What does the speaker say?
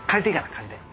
借りて。